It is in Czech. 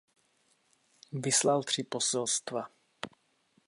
Vyslal tři poselstva.